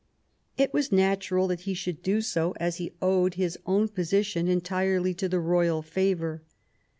It was natural that he should do so, as he owed his own position entirely to the royal favour.